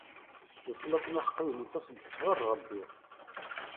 Leslak n yiḥeqqiyen ittas-d sɣur Rebbi.